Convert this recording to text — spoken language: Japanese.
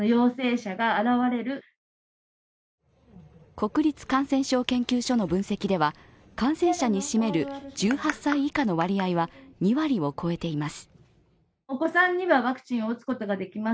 国立感染症研究所の分析では感染者に占める１８歳以下の割合は２割を超えています。